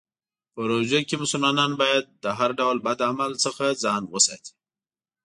په روژه کې مسلمانان باید له هر ډول بد عمل ځان وساتي.